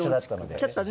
ちょっとね